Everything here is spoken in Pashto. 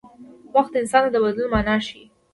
وخت انسان ته د بدلون مانا ښيي.